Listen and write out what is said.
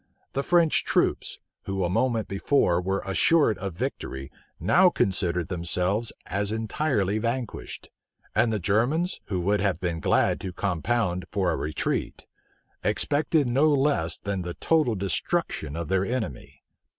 The French troops, who a moment before were assured of victory, now considered themselves as entirely vanquished; and the Germans, who would have been glad to compound for a safe retreat, expected no less than the total destruction of their enemy.